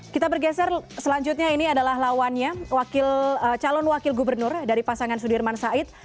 kita bergeser selanjutnya ini adalah lawannya calon wakil gubernur dari pasangan sudirman said